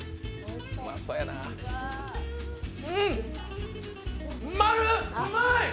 うん、丸、うまい。